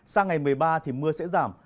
sang ngày một mươi ba thì mưa sẽ giảm